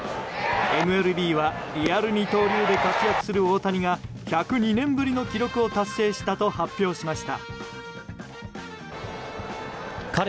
ＭＬＢはリアル二刀流で活躍する大谷が１０２年ぶりの記録を達成したと発表しました。